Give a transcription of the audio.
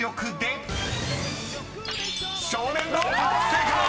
［正解！